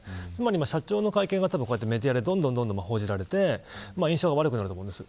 社長の会見がメディアで報じられて印象が悪くなると思います。